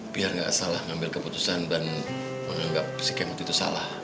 biar nggak salah ngambil keputusan dan menganggap si kemut itu salah